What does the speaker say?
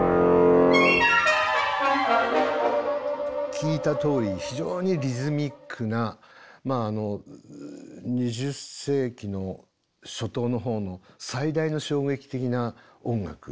聴いたとおり非常にリズミックなまああの２０世紀の初頭のほうの最大の衝撃的な音楽ですね。